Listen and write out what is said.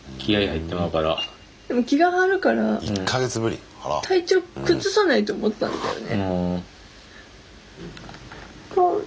気が張るから体調崩さないと思ったんだよね。